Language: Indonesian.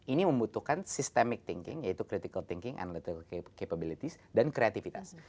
ini membutuhkan system thinking yaitu critical thinking analytics capabilities dan kreativitas